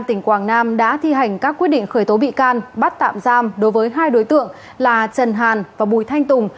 tỉnh quảng nam đã thi hành các quyết định khởi tố bị can bắt tạm giam đối với hai đối tượng là trần hàn và bùi thanh tùng